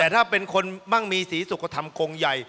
ถ้าเป็นคนมั่งมีสีสุขก็ทำกงใหญ่